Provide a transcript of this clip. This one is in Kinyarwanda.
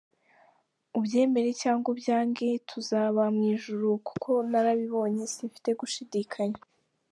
Ubyemere cyangwa ubyange tuzaba mu ijuru kuko narabibonye, simfite gushidikanya.